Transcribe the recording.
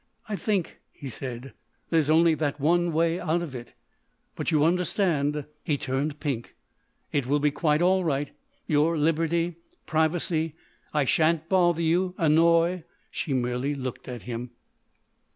"I think," he said, "there's only that one way out of it. But you understand"—he turned pink—"it will be quite all right—your liberty—privacy—I shan't bother you—annoy——" She merely looked at him.